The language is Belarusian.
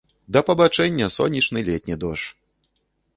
Да пабачэння, сонечны летні дождж!